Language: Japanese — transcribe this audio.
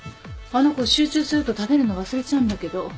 あの子集中すると食べるの忘れちゃうんだけど。